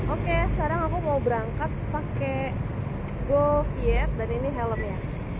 oke sekarang aku mau berangkat pakai goviet dan ini helm ya